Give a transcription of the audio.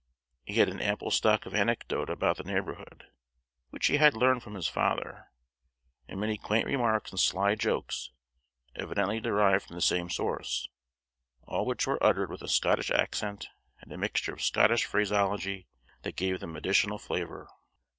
He had an ample stock of anecdote about the neighborhood, which he had learned from his father, and many quaint remarks and sly jokes, evidently derived from the same source, all which were uttered with a Scottish accent and a mixture of Scottish phraseology, that gave them additional flavor.